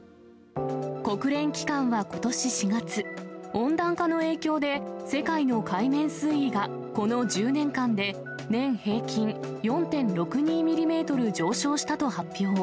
国連機関はことし４月、温暖化の影響で、世界の海面水位がこの１０年間で、年平均４．６２ミリメートル上昇したと発表。